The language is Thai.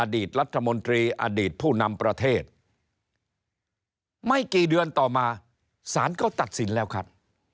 รัฐมนตรีอดีตผู้นำประเทศไม่กี่เดือนต่อมาศาลก็ตัดสินแล้วครับ